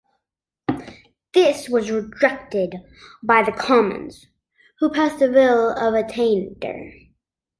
This was rejected by the Commons, who passed a bill of attainder.